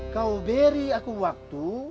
kau beri aku waktu